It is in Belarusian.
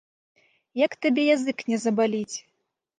Як табе язык не забаліць?